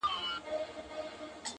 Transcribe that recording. يو لوى دښت وو راټول سوي انسانان وه؛